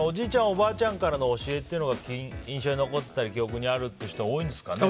おばあちゃんからの教えというのが印象に残っていたり記憶にあるということが多いんですかね。